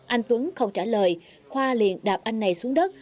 anh tuấn không trả lời khoa liền đạp anh này xuống đất